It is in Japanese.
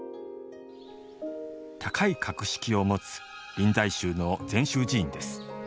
高い格式を持つ臨済宗の禅宗寺院です。